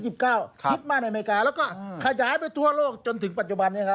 คิดมาในอเมริกาแล้วก็ขยายไปทั่วโลกจนถึงปัจจุบันนี้ครับ